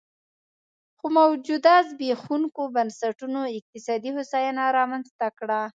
خو موجوده زبېښونکو بنسټونو اقتصادي هوساینه رامنځته کړه